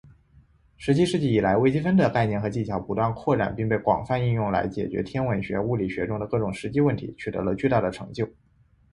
十七世纪以来，微积分的概念和技巧不断扩展并被广泛应用来解决天文学、物理学中的各种实际问题，取得了巨大的成就。